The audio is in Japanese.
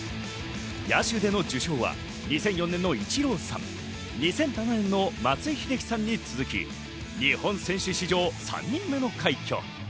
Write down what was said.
野手での受賞は２００４年のイチローさん、２００７年の松井秀喜さんに続き、日本選手史上３人目の快挙。